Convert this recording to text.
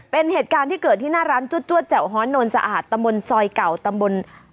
เป็นเหตุการณ์ที่เกิดที่หน้าร้านจวดแจ่วฮ้อนนสะอาดตำบลซอยเก่าตำบล